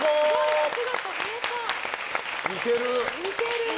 似てる！